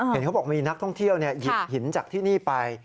เห็นเขาบอกมีนักท่องเที่ยวหยิบหินจากที่นี่ไป